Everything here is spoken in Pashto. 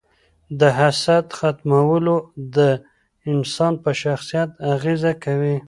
د حسد ختمول د انسان په شخصیت اغیزه کوي.